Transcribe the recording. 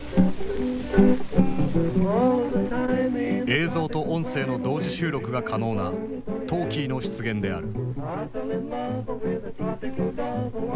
映像と音声の同時収録が可能なトーキーの出現である。